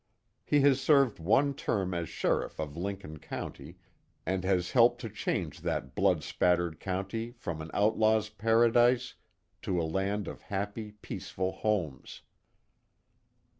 He has served one term as sheriff of Lincoln County, and has helped to change that blood spattered county from an outlaw's paradise, to a land of happy, peaceful homes.